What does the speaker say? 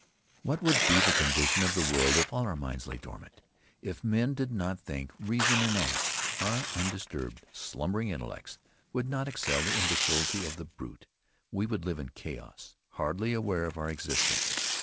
What would be the condition of the world if all our minds lay dormant? If men did not think, reason and act, our undisturbed, slumbering intellects would not excel the imbecility of the brute; we would live in chaos, hardly aware of our existence.